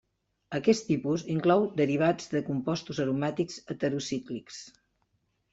Aquest tipus inclou derivats de compostos aromàtics heterocíclics.